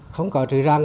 không có thời gian